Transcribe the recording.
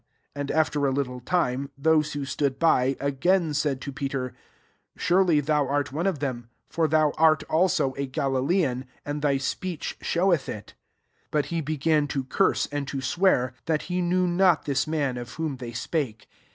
And after a little Hmcj Lhose who stood by, again said to Peter, « Surely thou art one of them : for thou art also a Galilean^ Hmcf thy 9fieech ahovf tth lr.»>J 71 But he began to curse and to swear, that he knew not this man of whom they spake.